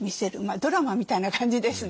ドラマみたいな感じですね。